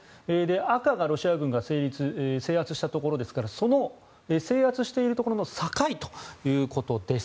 赤がロシア軍が制圧したところですからその制圧しているところの堺ということです。